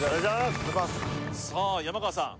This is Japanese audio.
さあ山川さん